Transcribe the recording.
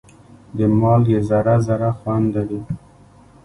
د مالګې ذره ذره خوند لري.